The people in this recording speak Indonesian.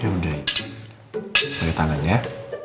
ya udah pakai tangan aja ya